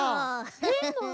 フフフフ。